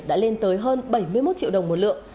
đã lên tới hơn bảy mươi một triệu đồng một lượng